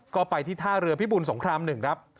ก็ไปที่ท่าเรือพิบูรสงคราม๑ครับ